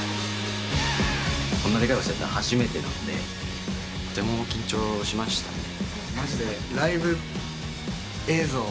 こんなの初めてなのでとても緊張しましたね。